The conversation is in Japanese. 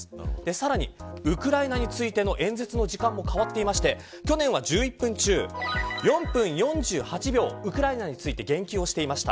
さらにウクライナについての演説時間も変わっていて去年は１１分中、４分４８秒ウクライナについて言及をしていました。